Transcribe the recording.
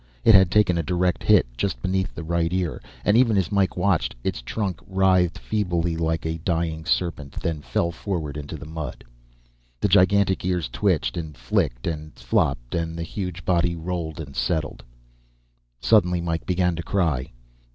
It had taken a direct hit, just beneath the right ear, and even as Mike watched, its trunk writhed feebly like a dying serpent, then fell forward into the mud. The gigantic ears twitched, then flickered and flopped, and the huge body rolled and settled. Suddenly Mike began to cry.